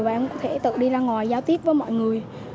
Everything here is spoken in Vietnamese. và em có thể tự đi ra ngoài giao tiếp với mọi người